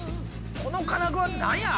この金具は何や？